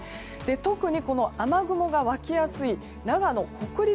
特に、雨雲が湧きやすい長野、北陸